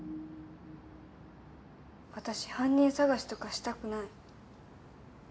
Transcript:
私犯人捜しとかしたくない。